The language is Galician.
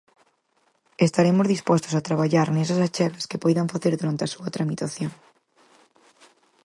Estaremos dispostos a traballar nesas achegas que poidan facer durante a súa tramitación.